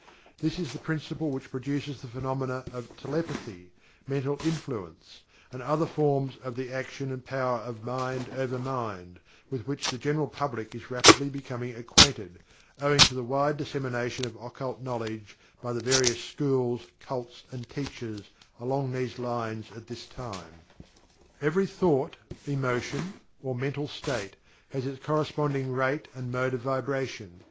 This is the principle which produces the phenomena of "telepathy"; mental influence, and other forms of the action and power of mind over mind, with which the general public is rapidly becoming acquainted, owing to the wide dissemination of occult knowledge by the various schools, cults and teachers along these lines at this time. Every thought, emotion or mental state has its corresponding rate and mode of vibration.